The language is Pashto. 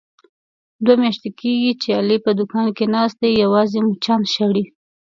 دوه میاشتې کېږي، چې علي په دوکان کې ناست دی یوازې مچان شړي.